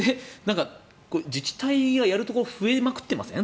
自治体がやるところが増えまくってません？